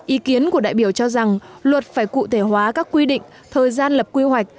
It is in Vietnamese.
ý kiến của đại biểu cho rằng luật phải cụ thể hóa các quy định thời gian lập quy hoạch